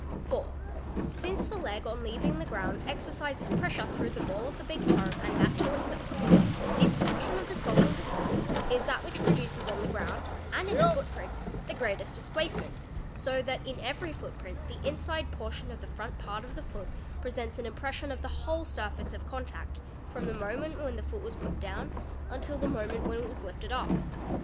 4. Since the leg on leaving the ground exercises 'pressure through the ball of the big toe and that toe itself, this portion of the sole of the foot is that which produces on the ground and in the footprint the greatest displacement, so that in every footprint the inside portion of the front part of the foot presents an impression of the whole surface of contact from the moment when the foot was put down until the moment when it was lifted up.